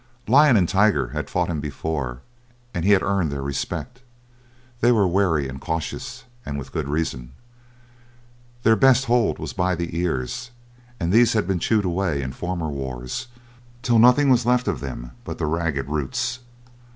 Lion and Tiger had fought him before, and he had earned their respect. They were wary and cautious, and with good reason. Their best hold was by the ears, and these had been chewed away in former wars, till nothing was left of them but the ragged roots.